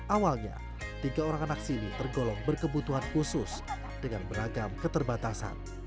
awalnya tiga orang anak sini tergolong berkebutuhan khusus dengan beragam keterbatasan